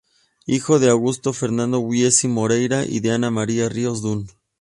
Hijo de Augusto Fernando Wiese Moreyra y de Ana María Ríos Dunn.